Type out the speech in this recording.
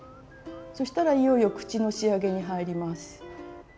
そしたらいよいよ口の仕上げに入ります。